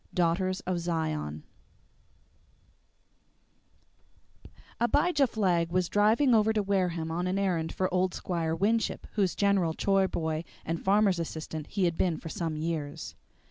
DAUGHTERS OF ZION I Abijah Flagg was driving over to Wareham on an errand for old Squire Winship, whose general chore boy and farmer's assistant he had been for some years.